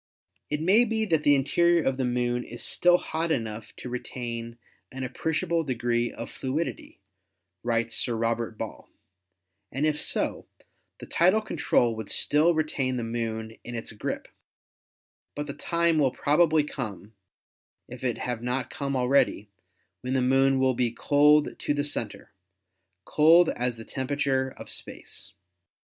"It may be that the interior of the Moon is still hot enough to retain an appreciable degree of fluidity," writes Sir Robert Ball, "and if so, the tidal control would still retain the Moon in its grip; but the time will probably come, if it have not come already, when the Moon will be cold to the center — cold as the temperature of space.